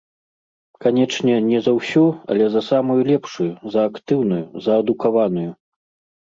Канечне, не за ўсю, але за самую лепшую, за актыўную, за адукаваную.